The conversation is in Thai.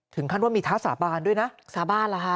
ถึงขั้นว่ามีท้าสาบานด้วยนะสาบานเหรอฮะ